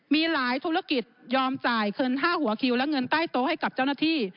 มีหลายธุรกิจยอมจ่ายเงิน๕หัวคิวและเงินใต้โต๊ะให้กับเจ้าหน้าที่